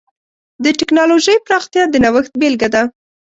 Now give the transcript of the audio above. د ټکنالوجۍ پراختیا د نوښت بېلګه ده.